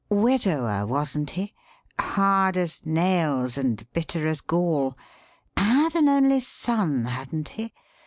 Widower, wasn't he? hard as nails and bitter as gall. Had an only son, hadn't he?